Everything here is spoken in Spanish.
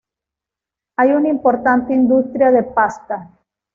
Hay una importante industria de pasta.